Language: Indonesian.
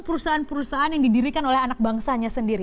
perusahaan perusahaan yang didirikan oleh anak bangsanya sendiri